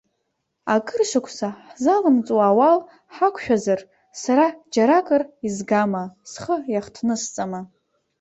Акыр шықәса, ҳзалымҵуа ауал ҳақәшәазар, сара џьаракыр изгама, схы иахҭнысҵама?